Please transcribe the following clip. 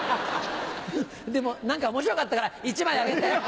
でも何か面白かったから１枚あげて。